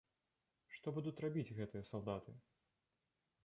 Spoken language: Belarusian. Што будуць рабіць гэтыя салдаты?